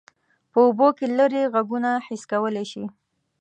په اوبو کې لیرې غږونه حس کولی شي.